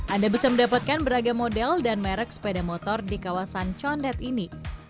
anda bisa mendapatkan beragam model dan merek sepeda motor di kawasan condet ini